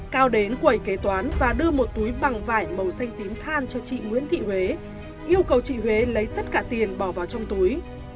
cao đến quầy kế toán và đưa một túi bằng vải màu xanh tím than cho chị nguyễn thị huế yêu cầu chị huế lấy tất cả tiền bỏ vào trong túi